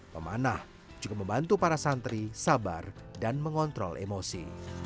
pemanah juga membantu para santri sabar dan mengontrol emosi